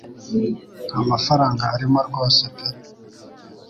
nta mafaranga arimo rwose pe